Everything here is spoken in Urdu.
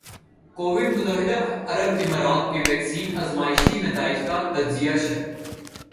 کوویڈ متحدہ عرب امارات کے ویکسین آزمائشی نتائج کا تجزیہ شر